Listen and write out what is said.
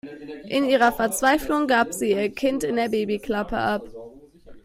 In ihrer Verzweiflung gab sie ihr Kind in der Babyklappe ab.